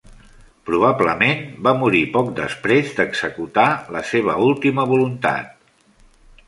Probablement va morir poc després d'executar la seva última voluntat.